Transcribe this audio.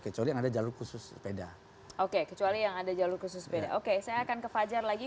kecuali ada jalur khusus sepeda oke kecuali yang ada jalur khusus sepeda oke saya akan ke fajar lagi